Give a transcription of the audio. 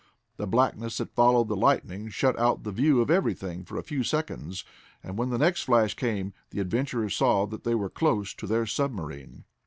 The blackness that followed the lightning shut out the view of everything for a few seconds, and when the next flash came the adventurers saw that they were close to their submarine.